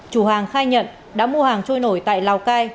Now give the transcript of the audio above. chủ hàng khai nhận đã mua hàng trôi nổi tại lào cai